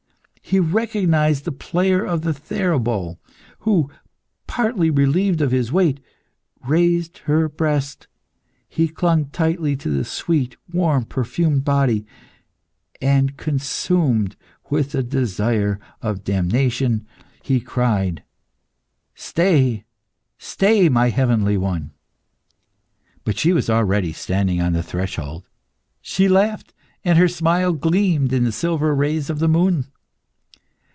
He recognised the player of the theorbo, who, partly relieved of his weight, raised her breast. He clung tightly to the sweet, warm, perfumed body, and consumed with the desire of damnation, he cried "Stay, stay, my heavenly one!" But she was already standing on the threshold. She laughed, and her smile gleamed in the silver rays of the moon.